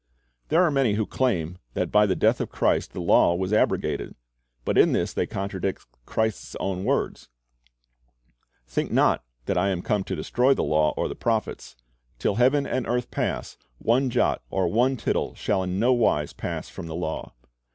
, There are many who claim that by the death of Christ the law was abrogated; but in this they contradict Christ's own words, "Think not that I am come to destroy the law, or the prophets. ... Till heaven and earth pass, one jot or one tittle shall in no wise pass from the law."'